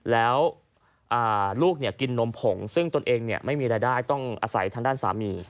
แล้วลูกกินนมผงซึ่งตนเองไม่มีรายได้ต้องอาศัยทางด้านสามี